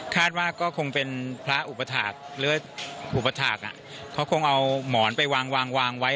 คาดว่าก็คงเป็นพระอุปาธากเขาคงเอาหมอนไปวางไว้